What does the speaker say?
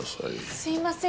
すいません